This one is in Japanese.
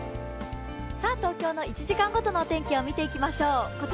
東京の１時間ごとの天気を見ていきましょう。